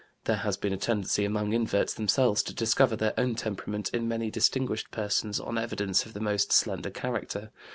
There has been a tendency among inverts themselves to discover their own temperament in many distinguished persons on evidence of the most slender character.